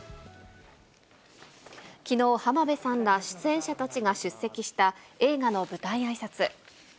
きのう、浜辺さんら出演者たちが出席した映画の舞台あいさつ。